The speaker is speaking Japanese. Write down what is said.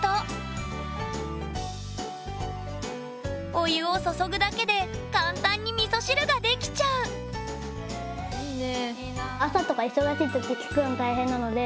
お湯を注ぐだけで簡単にみそ汁ができちゃういいね。